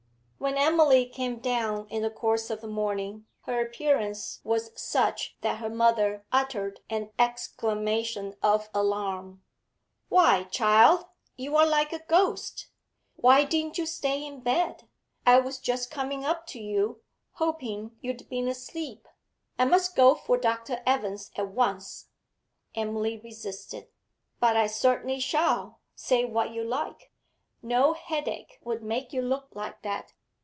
When Emily came down in the course of the morning, her appearance was such that her mother uttered an exclamation of alarm. 'Why, child, you are like a ghost! Why didn't you stay in bed? I was just coming up to you, hoping you'd been asleep. I must go for Dr. Evans at once.' Emily resisted. 'But I certainly shall, say what you like. No headache would make you look like that.